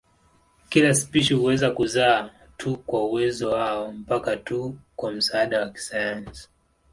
Kila spishi huweza kuzaa tu kwa uwezo wao mpaka tu kwa msaada wa sayansi.